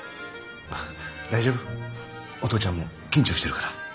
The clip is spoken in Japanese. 大丈夫お父ちゃんも緊張してるから。